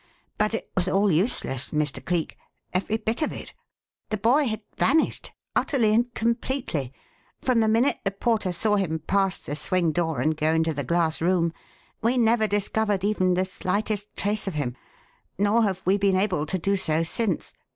But it was all useless, Mr. Cleek every bit of it! The boy had vanished, utterly and completely; from the minute the porter saw him pass the swing door and go into the glass room we never discovered even the slightest trace of him, nor have we been able to do so since.